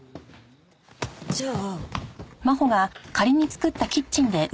じゃあ。